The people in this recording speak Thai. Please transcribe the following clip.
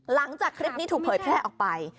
หลังจากคลิปนี้ถูกเผยแพร่ออกไป